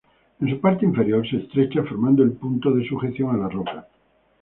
En su parte inferior se estrecha formando el punto de sujeción a la roca.